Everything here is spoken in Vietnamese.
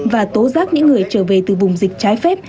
và tố giác những người trở về từ vùng dịch trái phép